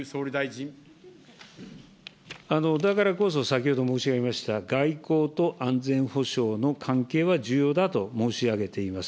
だからこそ、先ほど申し上げました、外交と安全保障の関係は重要だと申し上げています。